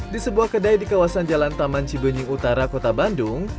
di sebuah kedai di kawasan jalan taman cibenying utara kota bandung